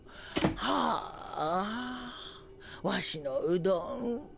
はぁわしのうどん。